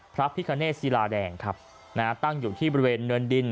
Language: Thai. พระพิคเนตศิลาแดงครับนะฮะตั้งอยู่ที่บริเวณเนินดิน